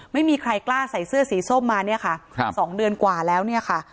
ไม่มีใครกล้าใส่เสื้อสีส้มมาเนี่ยค่ะ๒เดือนกว่าแล้วเนี่ยค่ะ